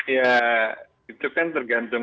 ya itu kan tergantung